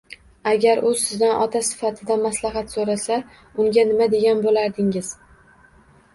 Agar u sizdan ota sifatida maslahat soʻrasa, unga nima degan boʻlardingiz?